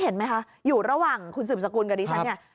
เห็นไหมคะอยู่ระหว่างคุณสืบสกุลกับดิฉันเนี่ย